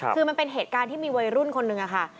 คือมันเป็นเหตุการณ์ที่มีวัยรุ่นคนหนึ่งค่ะ